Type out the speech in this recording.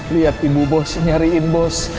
lihat ibu bos nyariin bos